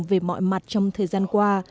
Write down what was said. về mọi mặt trong thời gian qua